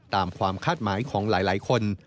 ตามความคาดหมายของหลายคน